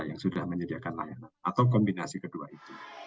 yang sudah menyediakan layanan atau kombinasi kedua itu